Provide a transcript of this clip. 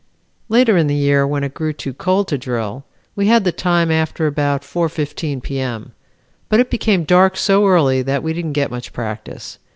Later in the year when it grew too cold to drill, we had the time after about 4:15 P. M., but it became dark so early that we didn't get much practice.